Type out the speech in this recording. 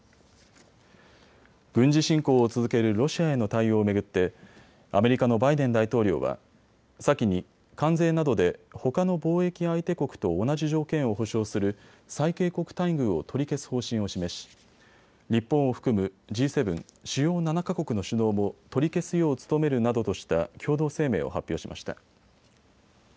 軍事侵攻を続けるロシアへの対応を巡ってアメリカのバイデン大統領は先に関税などでほかの貿易相手国と同じ条件を保障する最恵国待遇を取り消す方針を示し日本を含むＧ７・主要７か国の首脳も取り消すよう努めるなどとした共同声明を発表しました。